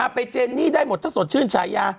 ไปเจนนี่ได้หมดถ้าสดชื่นฉายา